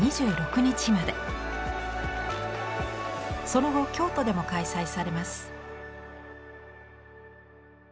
その後京都でも開催されます。